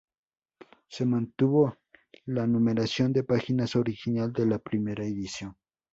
Se mantuvo la numeración de páginas original de la primera edición.